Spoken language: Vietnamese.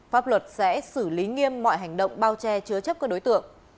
pháp luật sẽ xử lý nghiêm mọi hành động bao che chứa chấp các đối tượng